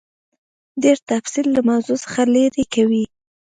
ډېر تفصیل له موضوع څخه لیرې کوي.